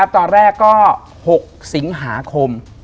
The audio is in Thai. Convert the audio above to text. ตอนแรกก็๖สิงหาคม